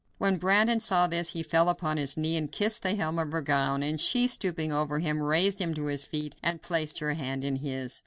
When Brandon saw this, he fell upon his knee and kissed the hem of her gown, and she, stooping over him, raised him to his feet and placed her hand in his.